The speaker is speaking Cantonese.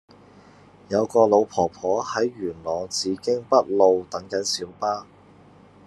有個老婆婆喺元朗紫荊北路等緊小巴